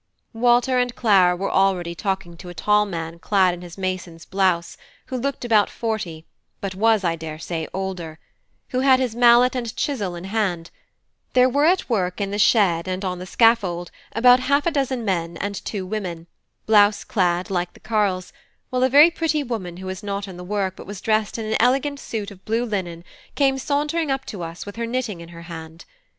Walter and Clara were already talking to a tall man clad in his mason's blouse, who looked about forty, but was I daresay older, who had his mallet and chisel in hand; there were at work in the shed and on the scaffold about half a dozen men and two women, blouse clad like the carles, while a very pretty woman who was not in the work but was dressed in an elegant suit of blue linen came sauntering up to us with her knitting in her hand.